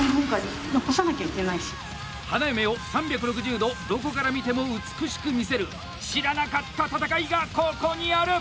花嫁を３６０度どこから見ても美しく見せる知らなかった戦いがここにある！